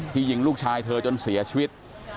ยิงลูกชายเธอจนเสียชีวิต